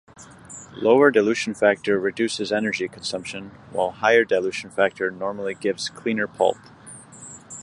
Lower dilution factor reduces energy consumption, while higher dilution factor normally gives cleaner pulp.